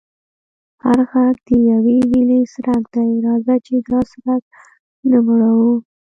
هر غږ د یوې هیلې څرک دی، راځه چې دا څرک نه مړوو.